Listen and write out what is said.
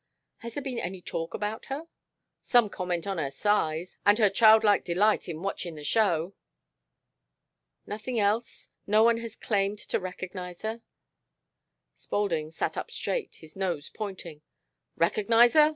"Has there been any talk about her!" "Some comment on her size. And her childlike delight in watchin' the show." "Nothing else? No one has claimed to recognize her?" Spaulding sat up straight, his nose pointing. "Recognize her?